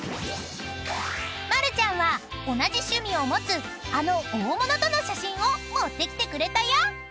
［丸ちゃんは同じ趣味を持つあの大物との写真を持ってきてくれたよ］